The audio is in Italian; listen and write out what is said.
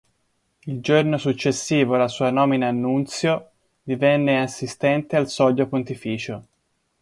Il giorno successivo alla sua nomina a nunzio, divenne assistente al soglio pontificio.